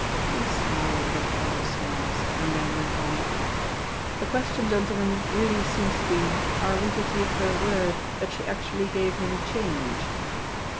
He smiled a little at our smiles, and then went on: "The question, gentlemen, really seems to be, are we to take her word that she actually gave him change?"